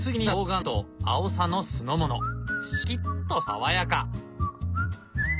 シャキッと爽やか！